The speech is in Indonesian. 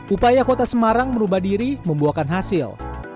upaya kota semarang merubah diri membuahkan hasil